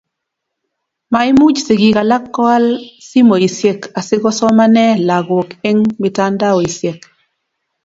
maimuch sigik alak koal simoisiek, asikusomane lagok eng' mitandaosiek